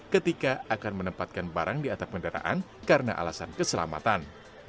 ketika akan menempatkan barang di atap kendaraan karena alasan keselamatan